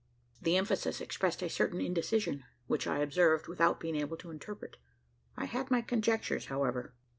The emphasis expressed a certain indecision, which I observed without being able to interpret. I had my conjectures however.